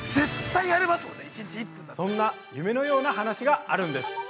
そんな夢のような話があるんです。